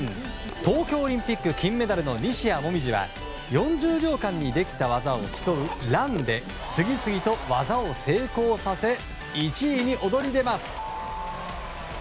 東京オリンピック金メダルの西矢椛は４０秒間にできた技を競うランで次々と技を成功させ１位に躍り出ます。